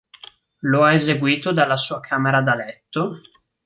Lo ha eseguito dalla sua camera da letto.